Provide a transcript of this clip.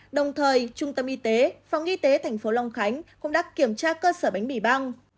đồng thời trung tâm y tế phòng y tế tp hcm cũng đã kiểm tra cơ sở bánh mì băng